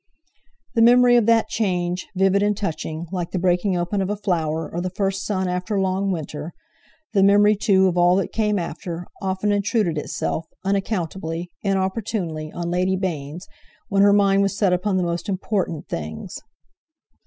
The memory of that change, vivid and touching, like the breaking open of a flower, or the first sun after long winter, the memory, too, of all that came after, often intruded itself, unaccountably, inopportunely on Lady Baynes, when her mind was set upon the most important things.